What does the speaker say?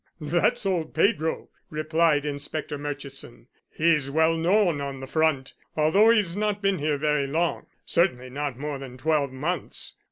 "That's old Pedro," replied Inspector Murchison. "He's well known on the front, although he's not been here very long, certainly not more than twelve months.